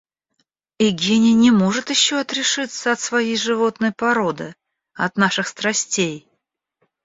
И гений не может еще отрешиться от своей животной породы, от наших страстей.